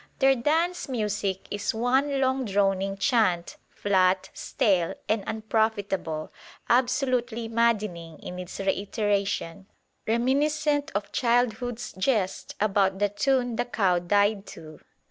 Their dance music is one long droning chant, flat, stale, and unprofitable, absolutely maddening in its reiteration, reminiscent of childhood's jest about "the tune the cow died to."